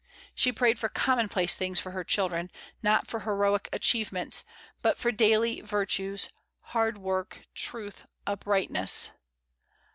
She prayed for com monplace things for her children, not for heroic achievements, but for daily virtues, hard work, truth, uprightness.